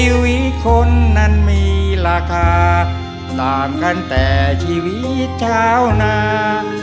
ชีวิตคนนั้นมีราคาต่างกันแต่ชีวิตชาวนา